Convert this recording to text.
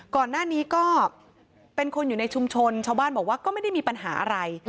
ก่อนหน้านี้ก็เป็นคนอยู่ในชุมชนชาวบ้านบอกว่าก็ไม่ได้มีปัญหาอะไร